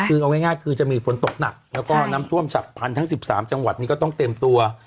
คือเอาง่ายคือจะมีฝนตกหนักแล้วก็น้ำท่วมฉับพันธุ์ทั้ง๑๓จังหวัดนี้ก็ต้องเตรียมตัว